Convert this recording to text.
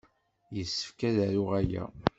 Yessefk ad aruɣ aya?